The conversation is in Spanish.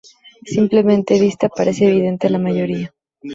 simple vista parece evidente a la mayoría